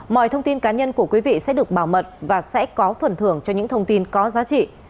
mọi thông tin cá nhân của quý vị sẽ được bảo mật và sẽ có phần thưởng cho những thông tin có giá trị